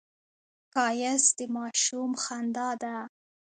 ښایست د ماشوم خندا ده